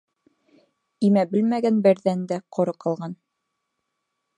Имә белмәгән берҙән дә ҡоро ҡалған.